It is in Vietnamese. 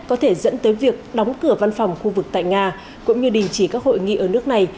có thể dẫn tới việc đóng cửa văn phòng khu vực tại nga cũng như đình chỉ các hội nghị ở nước này